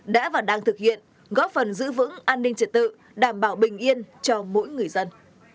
đã và đang thực hiện góp phần giữ vững an ninh trật tự đảm bảo bình yên cho mỗi người dân